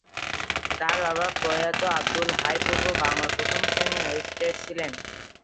তার বাবা প্রয়াত আব্দুল হাই পূর্ব বাংলার প্রথম শ্রেণির ম্যাজিস্ট্রেট ছিলেন।